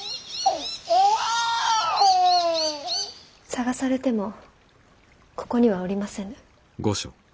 捜されてもここにはおりませぬ。